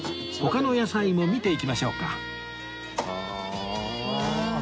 他の野菜も見ていきましょうかはあ。